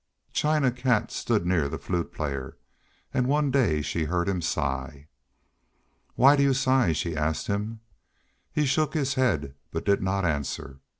China Cat stood near the Flute Player, and one day she heard him sigh. "Why do you sigh?" she asked him. He shook his head, but did not answer.